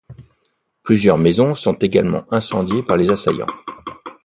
Plusieurs maisons sont également incendiées par les assaillants.